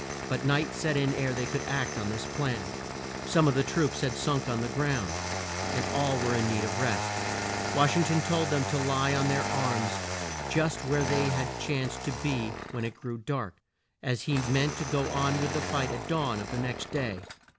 But night set in ere they could act on this plan. Some of the troops had sunk on the ground, and all were in need of rest. Wash ing ton told them to lie on their arms just where they chanced to be when it grew dark, as he meant to go on with the fight at dawn of the next day.